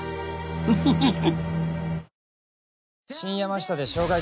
フフフフ。